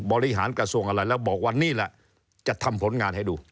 บริหารกระทรวงอะไรแล้วบอกว่านี่แหละจะทำผลงานให้ดู